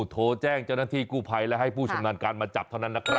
โทรแจ้งเจ้าหน้าที่กู้ภัยและให้ผู้ชำนาญการมาจับเท่านั้นนะครับ